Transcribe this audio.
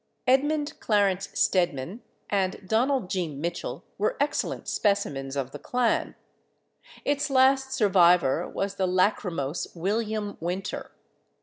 Edmund Clarence Stedman and Donald G. Mitchell were excellent specimens of the clan; its last survivor was the lachrymose William Winter.